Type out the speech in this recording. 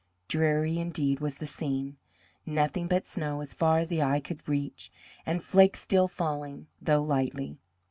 Dreary indeed was the scene! Nothing but snow as far as the eye could reach, and flakes still falling, though lightly.